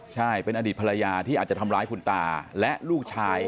ใช่เป็นอดีตภรรยาที่อาจจะทำร้ายคุณตาและลูกชาย